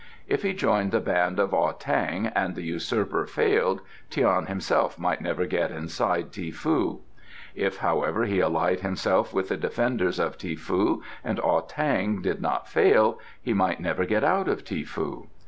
If he joined the band of Ah tang and the usurper failed, Tian himself might never get inside Ti foo; if, however, he allied himself with the defenders of Ti foo and Ah tang did not fail, he might never get out of Ti foo.